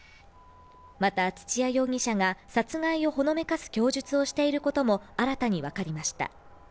また土屋容疑者が殺害をほのめかす供述をしていることも新たにわかりました。